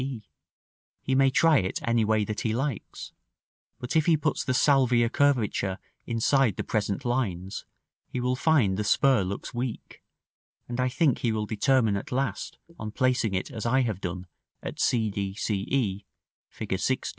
He may try it any way that he likes; but if he puts the salvia curvature inside the present lines, he will find the spur looks weak, and I think he will determine at last on placing it as I have done at c d, c e, Fig.